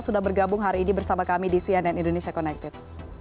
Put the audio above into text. sudah bergabung hari ini bersama kami di cnn indonesia connected